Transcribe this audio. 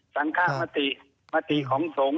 สังฆมติมติของสงฆ์